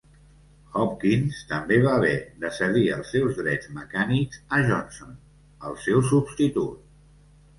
Hopkins també va haver de cedir els seus drets mecànics a Johnson, el seu substitut.